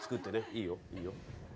いいよいいよ。